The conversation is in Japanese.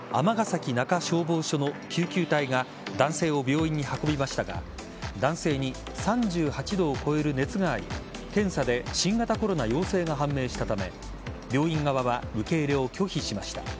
尼崎中消防署の救急隊が男性を病院に運びましたが男性に３８度を超える熱があり検査で新型コロナ陽性が判明したため病院側は受け入れを拒否しました。